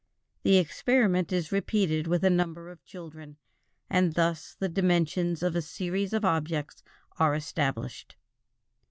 The experiment is repeated with a number of children, and thus the dimensions of a series of objects are established.